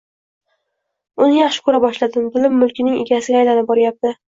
Uni yaxshi ko`ra boshladim, dilim mulkining egasiga aylanib borayapti